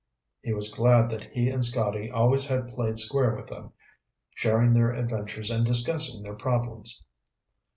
He was glad that he and Scotty always had played square with them, sharing their adventures and discussing their problems.